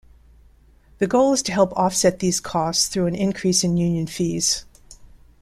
The goal is to help offset these costs through an increase in union fees.